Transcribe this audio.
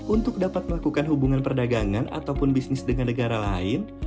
untuk dapat melakukan hubungan perdagangan ataupun bisnis dengan negara lain